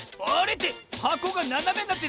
ってはこがななめになってる！